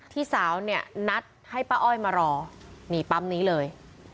พี่สาวเนี่ยนัดให้ป้าอ้อยมารอนี่ปั๊มนี้เลย